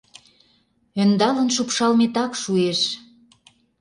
Ӧндалын шупшалметак шуэш...